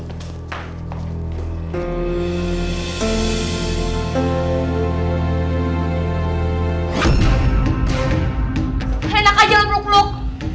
hanya enak aja lo peluk peluk